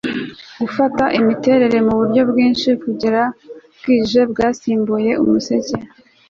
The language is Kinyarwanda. gufata imiterere muburyo bwinshi, nkuko bwije bwasimbuye umuseke